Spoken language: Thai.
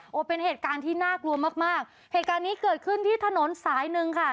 โอ้โหเป็นเหตุการณ์ที่น่ากลัวมากมากเหตุการณ์นี้เกิดขึ้นที่ถนนสายหนึ่งค่ะ